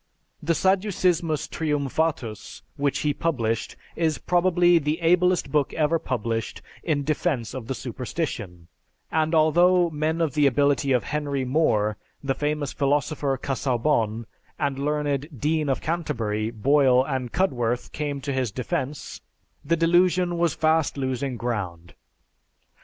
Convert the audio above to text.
"The Sadducismus Triumphatus," which he published, is probably the ablest book ever published in defense of the superstition, and although men of the ability of Henry More, the famous philosopher Casaubon, the learned Dean of Canterbury, Boyle and Cudworth, came to his defense, the delusion was fast losing ground.